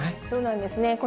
そうなんですね。